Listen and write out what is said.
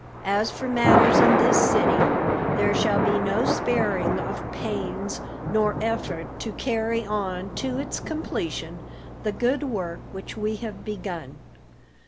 As for matters in this city, there shall be no sparing of pains nor effort to carry on to its completion the good work which we have begun.